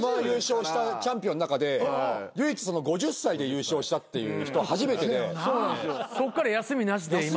Ｍ−１優勝したチャンピオンの中で唯一５０歳で優勝したっていう人初めてで。